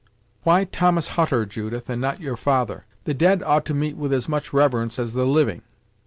"Why Thomas Hutter, Judith, and not your father? The dead ought to meet with as much reverence as the living!"